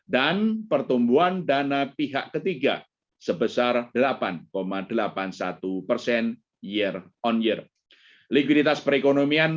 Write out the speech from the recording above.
tujuh dan pertumbuhan dana pihak ketiga sebesar delapan delapan satu year on year likuiditas perekonomian